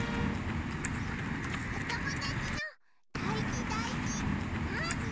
おともだちのだいじだいじなあに？